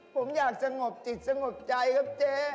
ผมอยากสงบจิตสงบใจครับเจ๊